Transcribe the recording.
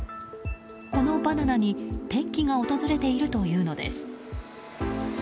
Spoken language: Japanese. このバナナに転機が訪れているというのです。